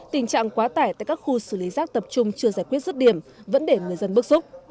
tình trạng quá tải tại các khu xử lý rác tập trung chưa giải quyết rứt điểm vẫn để người dân bức xúc